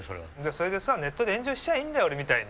それでさネットで炎上しちゃーいいんだよ俺みたいに！